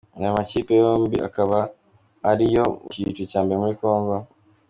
Aya makipe yombi akaba ari ayo mu cyiciro cya mbere muri Congo.